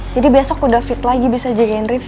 jadi besok udah fit lagi bisa jagain rifqi